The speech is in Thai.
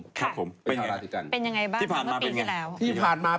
เป็นยังไงบ้างที่ผ่านมาเป็นยังไง